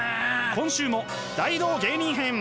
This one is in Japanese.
今週も大道芸人編！